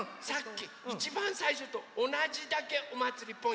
いちばんさいしょとおなじだけ「おまつりぽん！」